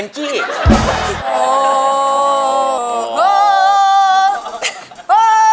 โอ้โห